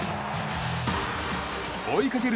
追いかける